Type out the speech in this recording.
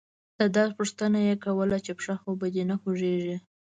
د درد پوښتنه يې کوله چې پښه خو به دې نه خوږيږي.